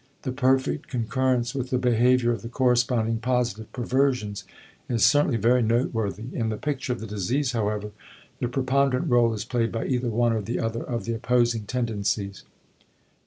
The perfect concurrence with the behavior of the corresponding positive perversions is certainly very noteworthy. In the picture of the disease, however, the preponderant rôle is played by either one or the other of the opposing tendencies.